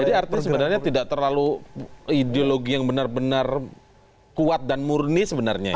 jadi artinya sebenarnya tidak terlalu ideologi yang benar benar kuat dan murni sebenarnya ya